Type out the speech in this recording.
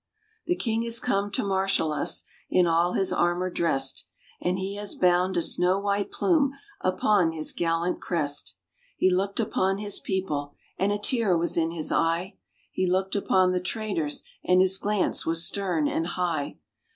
The King is come to marshal us, in all his armor dressed; And he has bound a snow white plume upon his gallant crest . He looked upon his people, and a tear was in his eye; He looked upon the traitors, and his glance was stern and high.